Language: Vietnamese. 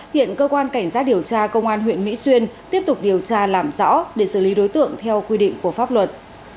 hiện cơ quan cảnh sát điều tra công an huyện mỹ xuyên tiếp tục điều tra làm rõ để xử lý đối tượng theo quy định của pháp luật